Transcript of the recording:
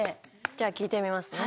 じゃ聞いてみますね。